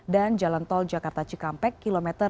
dan jalan tol jakarta cikampek dua elevated